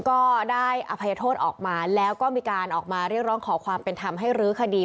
ก็ได้อภัยโทษออกมาแล้วก็มีการออกมาเรียกร้องขอความเป็นธรรมให้รื้อคดี